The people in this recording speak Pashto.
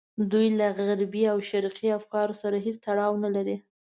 دوی له غربي او شرقي افکارو سره هېڅ تړاو نه لري.